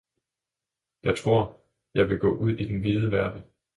Jeg tror, jeg vil gå ud i den vide verden!